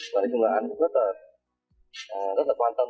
nói chung là anh cũng rất là quan tâm